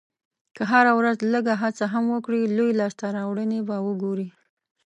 که هره ورځ لږه هڅه هم وکړې، لویې لاسته راوړنې به وګورې.